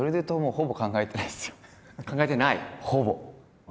ほぼ。